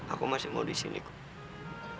aku masih mau disini kud